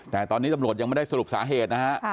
แต่ตอนนี้ตำรวจยังไม่ได้สรุปสาเหตุนะฮะ